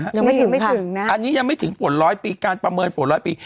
ยังไม่ถึงไม่ถึงนะอันนี้ยังไม่ถึงฝนร้อยปีการประเมินฝนร้อยปี